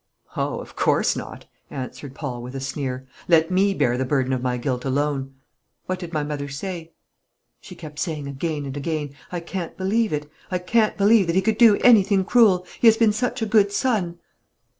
"Oh, of course not," answered Paul, with a sneer; "let me bear the burden of my guilt alone. What did my mother say?" "She kept saying again and again, 'I can't believe it. I can't believe that he could do anything cruel; he has been such a good son.'"